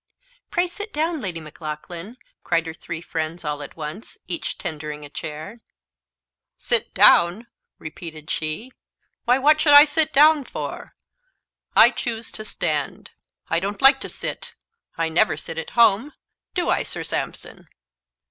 "Pray sit down, Lady Maclaughlan," cried her three friends all at once, each tendering a chair. "Sit down!" repeated she; "why, what should I sit down for? I choose to stand I don't like to sit I never sit at home do I, Sir Sampson?"